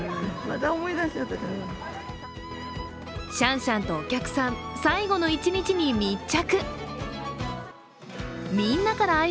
シャンシャンとお客さん、最後の一日に密着。